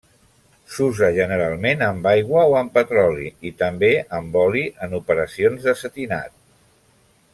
S'usa generalment amb aigua o amb petroli i també amb oli en operacions de setinat.